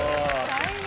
大変。